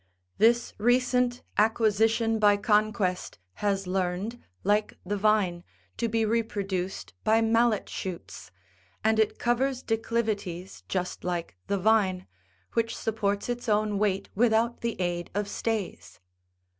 This recent acquisition by conquest has learned, like the vine, to be reproduced by mallet74 shoots^ and it covers declivities just like the vine, which supports its own weight without the aid of stays.